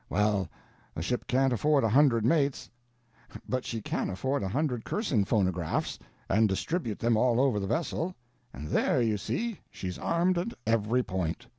Well, a ship can't afford a hundred mates; but she can afford a hundred Cursing Phonographs, and distribute them all over the vessel—and there, you see, she's armed at every point.